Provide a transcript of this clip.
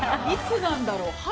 いつなんだろう。